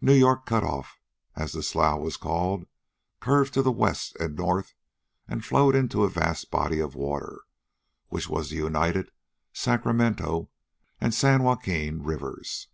New York Cut Off, as the slough was called, curved to the west and north and flowed into a vast body of water which was the united Sacramento and San Joaquin rivers.